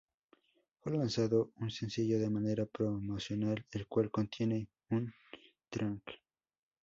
Fue lanzado un sencillo de manera promocional el cual contiene un track.